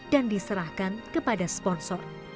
dan diserahkan kepada sponsor